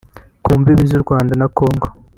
ku mbibi z’u Rwanda na Kongo